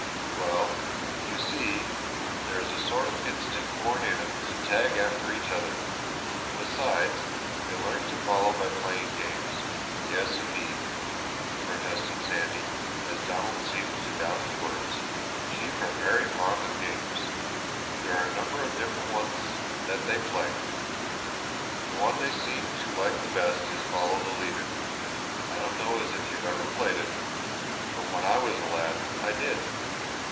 "Well, you see there is a sort of instinct born in 'em to tag after each other. Besides, they learn to follow by playing games. Yes, indeed," protested Sandy, as Donald seemed to doubt his words, "sheep are very fond of games. There are a number of different ones that they play. The one they seem to like best is 'Follow the Leader.' I don't know as you ever played it, but when I was a lad I did."